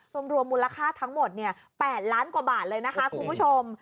รวมมูลค่าทั้งหมด๘ล้านกว่าบาทเลยนะคะคุณผู้ชม